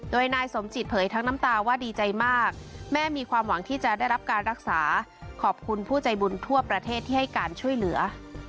โดยนายสมจิตเผยทั้งน้ำตาว่าดีใจมากแม่มีความหวังที่จะได้รับการรักษาขอบคุณผู้ใจบุญทั่วประเทศที่ให้การช่วยเหลือ